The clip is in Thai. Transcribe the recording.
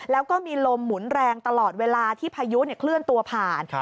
แล้วก็มีลมหมุนแรงตลอดเวลาที่พายุเคลื่อนตัวผ่าน